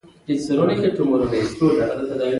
د خلاق تخریب د پراختیا مخه نیول شوې ده.